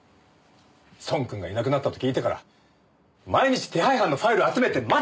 尊くんがいなくなったと聞いてから毎日手配犯のファイル集めて待ってたんですよ！